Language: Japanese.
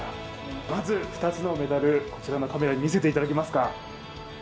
まず２つのメダル、こちらのカメラに見せていただけますか？